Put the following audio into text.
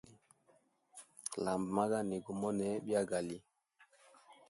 Lamba magani gumone byagali.